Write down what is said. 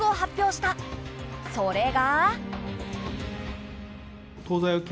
それが。